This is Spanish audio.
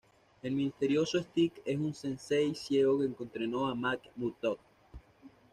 El misterioso Stick es un sensei ciego que entrenó a Matt Murdock.